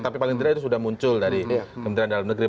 tapi paling tidak itu sudah muncul dari kementerian dalam negeri